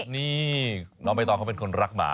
นี่น้องใบตองเขาเป็นคนรักหมา